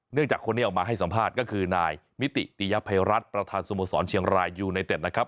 จากคนนี้ออกมาให้สัมภาษณ์ก็คือนายมิติติยภัยรัฐประธานสโมสรเชียงรายยูไนเต็ดนะครับ